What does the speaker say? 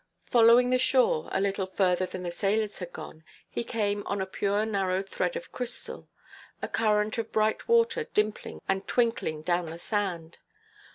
Following the shore, a little further than the sailors had gone, he came on a pure narrow thread of crystal, a current of bright water dimpling and twinkling down the sand.